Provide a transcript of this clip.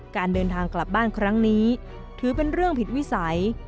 การเดินทางกลับบ้านครั้งนี้ถือเป็นเรื่องผิดวิสัย